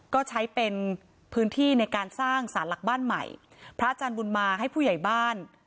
ก็ใช้เป็นพื้นที่ในการสร้างสารหลักบ้านใหม่พระอาจารย์บุญมาให้ผู้ใหญ่บ้าน